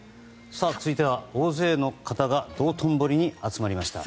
続いては大勢の方が道頓堀に集まりました。